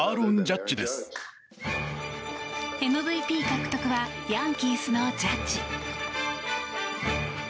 ＭＶＰ獲得はヤンキースのジャッジ。